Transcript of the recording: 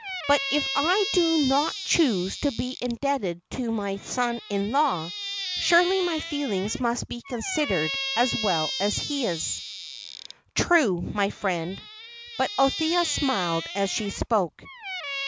"But if I do not choose to be indebted to my son in law, surely my feelings must be considered as well as his." "True, my dear friend." But Althea smiled as she spoke.